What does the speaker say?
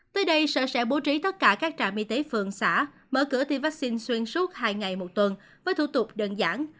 tới đây sở sẽ bố trí tất cả các trạm y tế phường xã mở cửa tiêm vaccine xuyên suốt hai ngày một tuần với thủ tục đơn giản